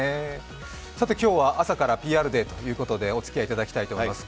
今日は朝からＰＲデーということでおつきあいいただきたいと思います。